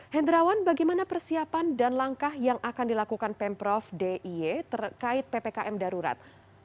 hendrawan bagaimana persiapan dan langkah yang akan dilakukan pemprov d i e terkait ppkm darurat